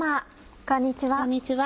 こんにちは。